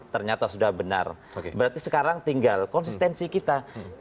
ternyata sudah benar berarti sekarang tinggal konsistensi kita